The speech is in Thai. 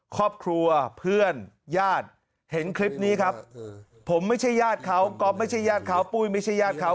ครอบครัวเพื่อนญาติเห็นคลิปนี้ครับผมไม่ใช่ญาติเขาก๊อฟไม่ใช่ญาติเขาปุ้ยไม่ใช่ญาติเขา